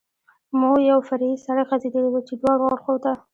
مو یو فرعي سړک غځېدلی و، چې دواړو اړخو ته.